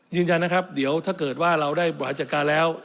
ยืนยันนะครับเดี๋ยวถ้าเกิดว่าเราได้บริหารจัดการแล้ว